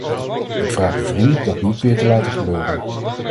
Ik vraag u vriendelijk dat niet weer te laten gebeuren.